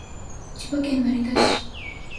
千葉県成田市